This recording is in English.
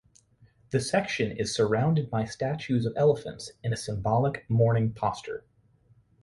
The section is surrounded by statues of elephants in a symbolic mourning posture.